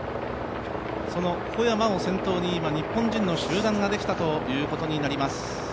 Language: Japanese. その小山を先頭に、日本人の集団ができたということになります。